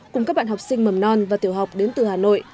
cùng các bạn học sinh mầm non và tiểu học đến từ hà nội